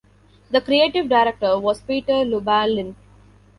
The Creative Director was Peter Lubalin.